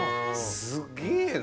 すげえな！